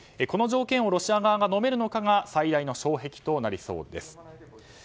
この条件をロシア側がのめるかが最大の障壁となりそうです。